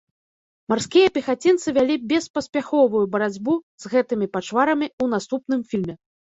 Марскія пехацінцы вялі беспаспяховую барацьбу з гэтымі пачварамі ў наступным фільме.